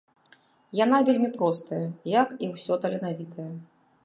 Яна вельмі простая, як і ўсё таленавітае.